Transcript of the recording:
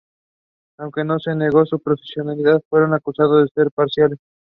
Aunque no se negó su profesionalidad, fueron acusados de ser parciales.